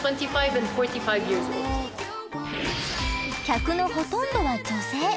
客のほとんどは女性。